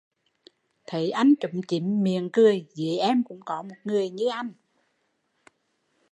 Thấy anh chúm chím miệng cười, dưới em cũng có một người như anh